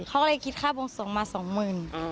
เขาก็เลยคิดค่าบวงสงมาสองหมื่น